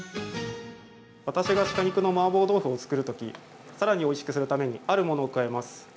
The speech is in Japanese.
私が鹿肉のマーボー豆腐を作るときさらにおいしくするためにあるものを加えます。